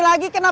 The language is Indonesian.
ya udah kang